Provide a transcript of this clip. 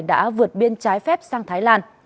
đã vượt biên trái phép sang thái lan